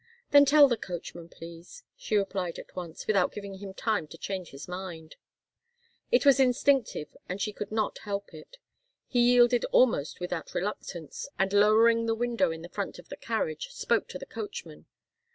"Then tell the coachman, please," she replied at once, without giving him time to change his mind. It was instinctive, and she could not help it. He yielded almost without reluctance, and lowering the window in the front of the carriage, spoke to the coachman.